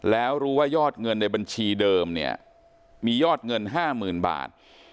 แล้วรู้ว่ายอดเงินในบัญชีเดิมเนี่ยมียอดเงิน๕๐๐๐บาท